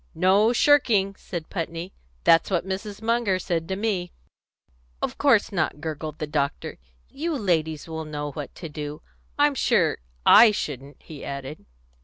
"No shirking," said Putney. "That's what Mrs. Munger said to me." "Of course not," gurgled the doctor. "You ladies will know what to do. I'm sure I shouldn't," he added.